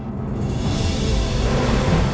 aku janji aku gak akan ngapain lagi